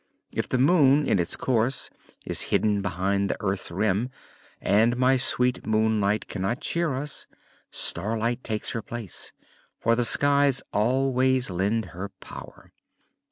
If the moon in its course is hidden behind the earth's rim, and my sweet Moonlight cannot cheer us, Starlight takes her place, for the skies always lend her power.